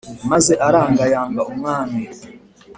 maze aranga yanga umwami